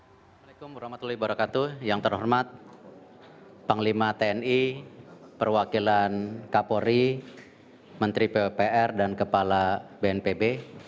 assalamualaikum wr wb yang terhormat panglima tni perwakilan kapolri menteri pwpr dan kepala bnpb